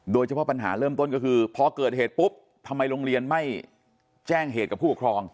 โดยเฉพาะปัญหาเริ่มต้นก็คือพอเกิดเหตุปุ๊บทำไมโรงเรียนไม่แจ้งเหตุกับผู้ปกครอง